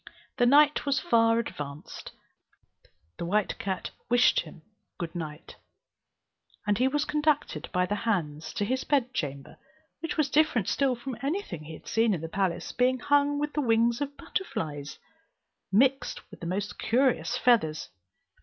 When night was far advanced, the white cat wished him a good night, and he was conducted by the hands to his bedchamber, which was different still from any thing he had seen in the palace, being hung with the wings of butterflies, mixed with the most curious feathers.